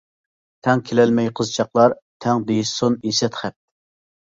تەڭ كېلەلمەي قىزچاقلار، تەڭ دېيىشسۇن ئىسىت خەپ.